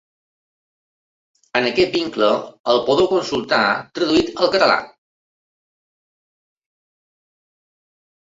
En aquest vincle el podeu consultar traduït al català.